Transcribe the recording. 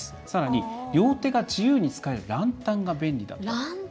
さらに、両手が自由に使えるランタンが便利だったと。